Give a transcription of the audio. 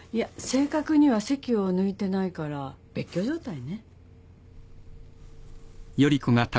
正確には籍を抜いてないから別居状態ね。